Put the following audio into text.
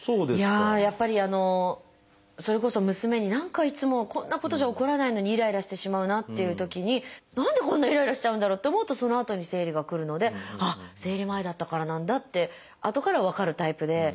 やっぱりそれこそ娘に何かいつもこんなことじゃ怒らないのにイライラしてしまうなっていうときに何でこんなイライラしちゃうんだろうって思うとそのあとに生理がくるのであっ生理前だったからなんだってあとから分かるタイプで。